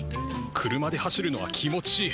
車で走るのは気持ちいい。